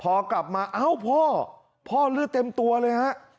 พอกลับมาเอ้าพ่อพ่อเลือดเต็มตัวเลยฮะ